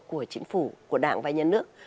của chính phủ của đảng và nhà nước